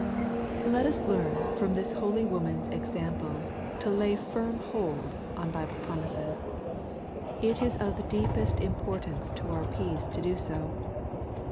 Let us learn from this holy woman's example, to lay firm hold on Bible promises. It is of the deepest im portance to our peace to do so.